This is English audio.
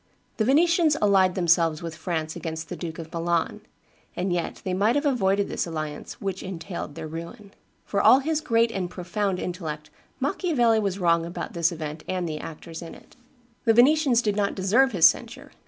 The Venetians allied themselves with France against the Duke of Milan; and yet they might have avoided this alliance, which entailed their ruin." For all his great and profound intellect, Machiavelli was wrong about this event and the actors in it. The Venetians did not deserve his censure.